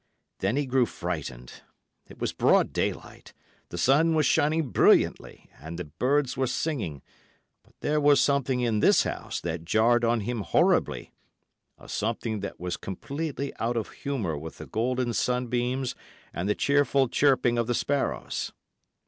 Then he grew frightened. It was broad daylight, the sun was shining brilliantly and the birds were singing; but there was something in this house that jarred on him horribly—a something that was completely out of humour with the golden sunbeams and the cheerful chirping of the sparrows.